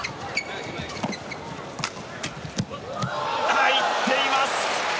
入っています！